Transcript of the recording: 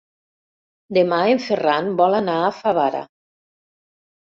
Demà en Ferran vol anar a Favara.